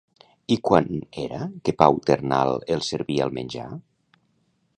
I quan era que Pau Ternal els servia el menjar?